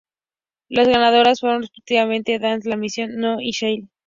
Las ganadoras fueron, respectivamente, Dans La Maison, No y Shell.